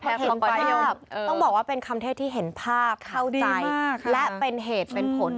เห็นไปต้องบอกว่าเป็นคำเทศที่เห็นภาพเข้าใจและเป็นเหตุเป็นผล